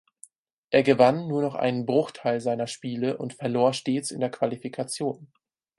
Er gewann nur noch einen Bruchteil seiner Spiele und verlor stets in der Qualifikation.